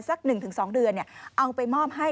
สัก๑๒เดือนเอาไปมอบให้